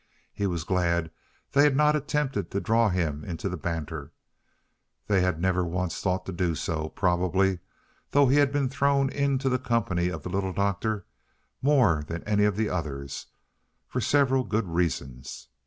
He was glad they had not attempted to draw him into the banter they had never once thought to do so, probably, though he had been thrown into the company of the Little Doctor more than any of the others, for several good reasons.